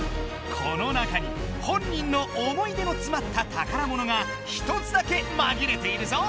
この中に本人の思い出のつまった宝物が１つだけまぎれているぞ。